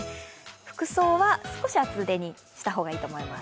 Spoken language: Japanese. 服装は少し厚手にした方がいいと思います。